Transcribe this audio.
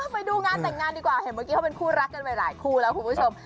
ไปดูงานแต่งงานดีกว่าเห็นเมื่อกี้เขาเป็นคู่รักกันไปหลายคู่แล้วคุณผู้ชม